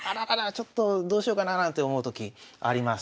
ちょっとどうしようかななんて思うときあります。